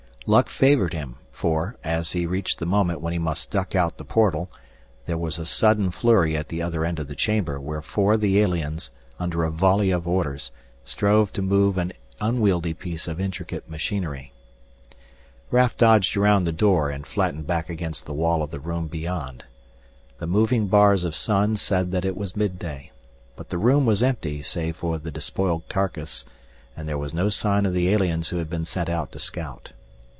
Luck favored him, for, as he reached the moment when he must duck out the portal, there was a sudden flurry at the other end of the chamber where four of the aliens, under a volley of orders, strove to move an unwieldy piece of intricate machinery. Raf dodged around the door and flattened back against the wall of the room beyond. The moving bars of sun said that it was midday. But the room was empty save for the despoiled carcass, and there was no sign of the aliens who had been sent out to scout.